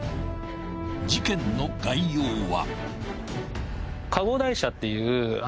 ［事件の概要は］